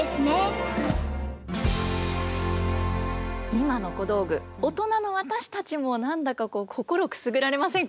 今の小道具大人の私たちも何だか心くすぐられませんか？